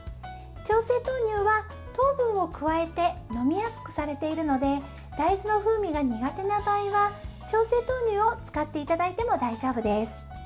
調製豆乳は糖分を加えて飲みやすくされているので大豆の風味が苦手な場合は調製豆乳を使っていただいても大丈夫です。